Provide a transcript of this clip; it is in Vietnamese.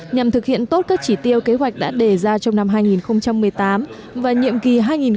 nhằm thực hiện tốt các chỉ tiêu kế hoạch đã đề ra trong năm hai nghìn một mươi tám và nhiệm kỳ hai nghìn một mươi sáu hai nghìn hai mươi